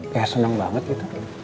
kayak seneng banget gitu